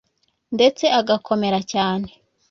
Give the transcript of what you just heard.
ndetse agakomera cyane